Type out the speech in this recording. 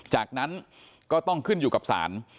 จากนั้นก็ต้องขึ้นอยู่กับศาล